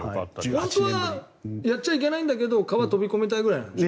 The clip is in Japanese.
本当はやっちゃいけないんだけど川に飛び込みたいぐらいでしょ？